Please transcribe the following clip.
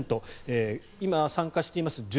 今、参加しています